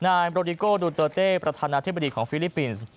นายโรดิโกดูเตอร์เต้ประธานาธิบดีของฟิลิปปินส์